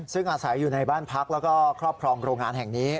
ซึ่งอาศัยอยู่ในบ้านพักแล้วก็ครอบครองโรงงานแห่งนี้